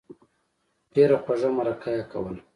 ډېره خوږه مرکه یې کوله.